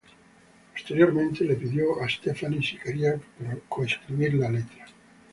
Posteriormente, le pidió a Stefani si quería coescribir la letra.